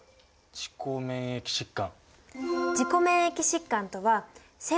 自己免疫疾患？